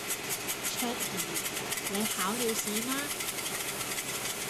卓怡你考了試嗎